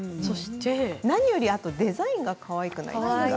何よりデザインがかわいくないですか？